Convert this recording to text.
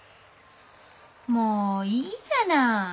もういいじゃない。